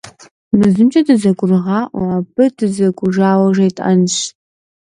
Мы зымкӀэ дызэгурыгъаӀуэ: абы дызэкӀужауэ жетӀэнщ.